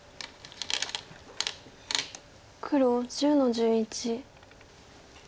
黒１０の十一。